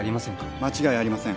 間違いありません